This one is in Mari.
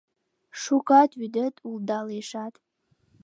Шукат вӱдет улдалешат